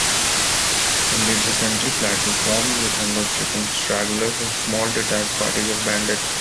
Indeed, the Central Plateau swarmed with hunger-stricken stragglers and small, detached parties of bandits.